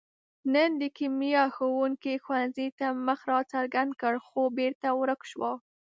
نن د کیمیا ښوونګي ښوونځي ته مخ را څرګند کړ، خو بېرته ورک شو.